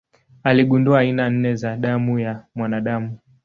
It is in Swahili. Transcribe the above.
Aligundua aina nne za damu ya mwanadamu.